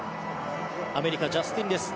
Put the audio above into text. アメリカ、ジャスティン・レス。